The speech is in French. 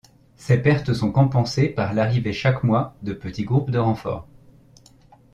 Ces pertes sont compensées par l'arrivée chaque mois de petits groupes de renforts.